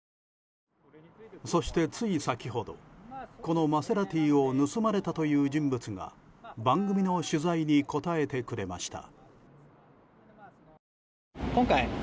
そして、つい先ほどこのマセラティを盗まれたという人物が番組の取材に答えてくれました。